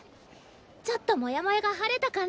ちょっとモヤモヤが晴れた感じ。